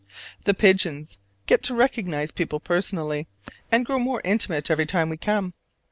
The pigeons get to recognize people personally, and grow more intimate every time we come.